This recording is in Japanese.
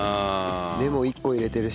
レモン１個入れてるし。